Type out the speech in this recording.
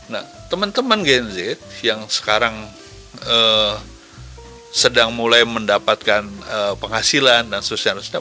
nah teman teman gen z yang sekarang sedang mulai mendapatkan penghasilan dan sosial